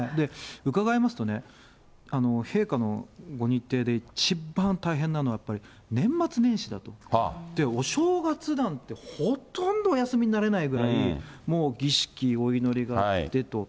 伺いますとね、陛下のご日程で一番大変なのはやっぱり、年末年始だと。お正月なんてほとんどお休みになれないぐらい、もう儀式、お祈りがあってと。